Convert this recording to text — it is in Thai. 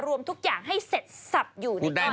รวมทุกอย่างให้เสร็จสับอยู่ในก้อนนี้เลย